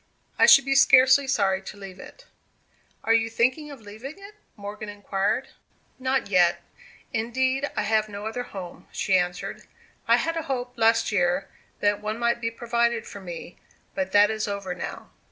I should be scarcely sorry to leave it." "Are you thinking of leaving it?" Morgan inquired. "Not yet. Indeed, I have no other home," she answered. "I had a hope, last year, that one might be provided for me; but that is over now."